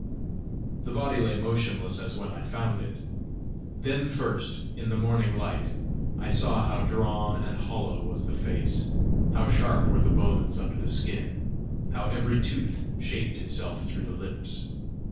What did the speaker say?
The body lay motionless as when I found it. Then first, in the morning light, I saw how drawn and hollow was the face, how sharp were the bones under the skin, how every tooth shaped itself through the lips.